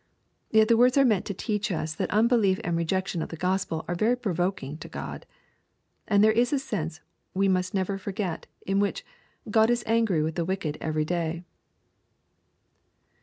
Yet the words are meant to teach us that unbelief and rejection of the Gospel are very provoking to God. And there is a sense we must never for get, in which " Qtod is angry with the wicked every day."